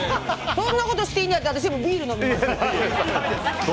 そんなことしてええんやったら私もビール飲みますよ。